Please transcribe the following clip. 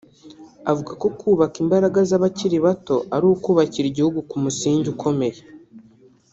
avuga ko kubaka imbaraga z’abakiri bato ari ukubakira igihugu ku musingi ukomeye